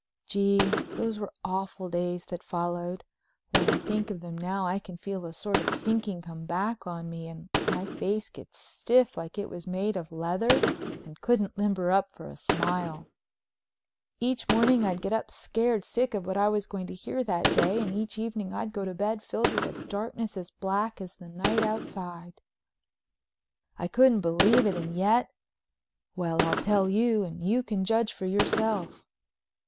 Gee, those were awful days that followed! When I think of them now I can feel a sort of sinking come back on me and my face gets stiff like it was made of leather and couldn't limber up for a smile. Each morning I'd get up scared sick of what I was going to hear that day, and each evening I'd go to bed filled with a darkness as black as the night outside. I couldn't believe it and yet—well, I'll tell you and you can judge for yourself.